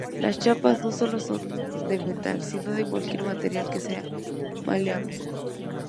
Las chapas no son solo de metal, sino de cualquier material que sea maleable.